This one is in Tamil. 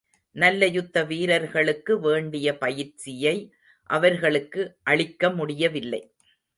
நல்ல யுத்த வீரர்களுக்கு வேண்டிய பயிற்சியை அவர்களுக்கு அளிக்கமுடியவில்லை.